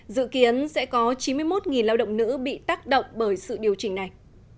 dự kiến sẽ có chín mươi một lao động nữ bị tác động bởi sự điều chỉnh này